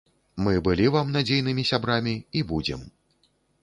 Мы былі вам надзейнымі сябрамі і будзем.